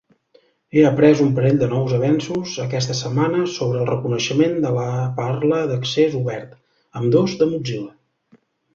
He après un parell de nous avenços aquesta setmana sobre el reconeixement de la parla d'accés obert, ambdós de Mozilla.